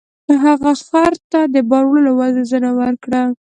هغه خر ته د بار وړلو روزنه ورکړه.